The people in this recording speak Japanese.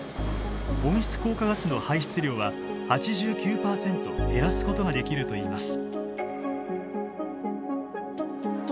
温室効果ガスの排出量は８９％減らすことができるといいます。